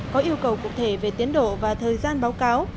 có yêu cầu cụ thể về tiến độ và thời gian báo cáo